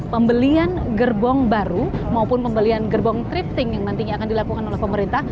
pembelian gerbong baru maupun pembelian gerbong thrifting yang nantinya akan dilakukan oleh pemerintah